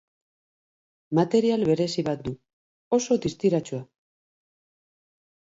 Material berezi bat du, oso distiratsua.